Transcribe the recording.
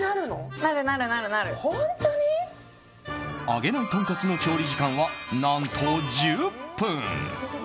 揚げないとんかつの調理時間は何と１０分。